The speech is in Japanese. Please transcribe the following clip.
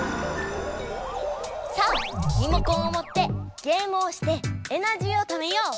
さあリモコンを持ってゲームをしてエナジーをためよう！